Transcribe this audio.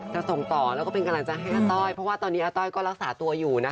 ส่งต่อแล้วก็เป็นกำลังใจให้อาต้อยเพราะว่าตอนนี้อาต้อยก็รักษาตัวอยู่นะคะ